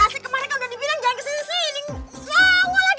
ternyata enggak pak deddy